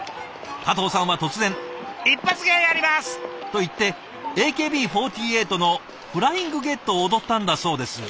加藤さんは突然「一発芸やります！」と言ってＡＫＢ４８の「フライングゲット」を踊ったんだそうです。